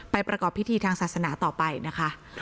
ประกอบพิธีทางศาสนาต่อไปนะคะ